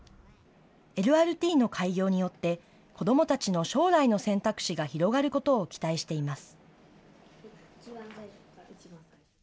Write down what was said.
ＬＲＴの開業によって、子どもたちの将来の選択肢が広がることを期待しています。